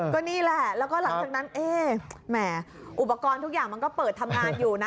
ก็นี่แหละอุปกรณ์ทุกอย่างมันก็เปิดทำงานอยู่นะ